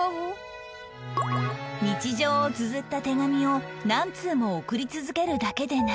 日常をつづった手紙を何通も送り続けるだけでなく